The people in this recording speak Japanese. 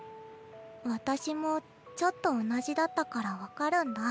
私もちょっと同じだったから分かるんだ。